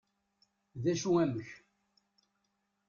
d acu amek?